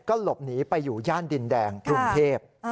ก็หลบหนีไปอยู่ย่านดินแดงกรุงเทพ